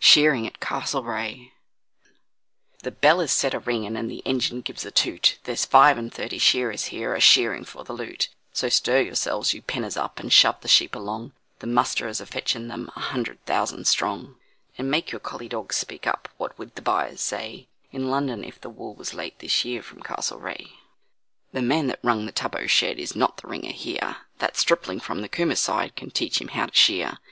Shearing at Castlereagh The bell is set a ringing, and the engine gives a toot, There's five and thirty shearers here are shearing for the loot, So stir yourselves, you penners up, and shove the sheep along, The musterers are fetching them a hundred thousand strong, And make your collie dogs speak up what would the buyers say In London if the wool was late this year from Castlereagh? The man that 'rung' the Tubbo shed is not the ringer here, That stripling from the Cooma side can teach him how to shear.